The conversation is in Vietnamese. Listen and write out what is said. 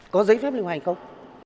có giấy phép lưu hành không